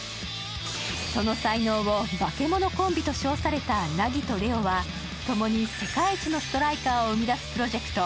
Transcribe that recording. その才能を、化け物コンビと称された凪と玲王はともに世界一のストライカーを生み出すプロジェクト